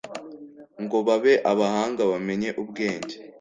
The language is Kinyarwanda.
ngo babe abahanga bamenye ubwenge